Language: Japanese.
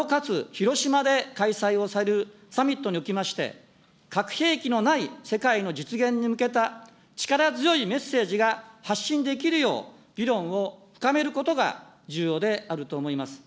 広島で開催をされるサミットにおきまして、核兵器のない世界の実現に向けた力強いメッセージが発信できるよう、議論を深めることが重要であると思います。